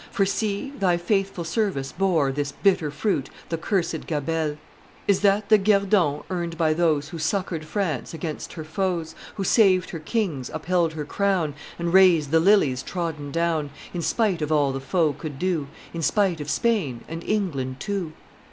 For see! thy faithful service bore This bitter fruit the cursed gabelle. Is that the guerdon earned by those Who succored France against her foes, Who saved her kings, upheld her crown, And raised the lilies trodden down, In spite of all the foe could do, In spite of Spain and England too?